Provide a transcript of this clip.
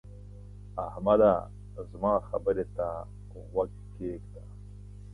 احمده! زما خبرې ته غوږ کېږده.